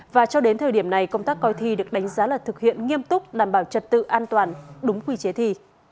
và cho đến thời điểm này công tác coi thi được đánh giá là thực hiện nghiêm túc đảm bảo trật tự an toàn đúng quy chế thi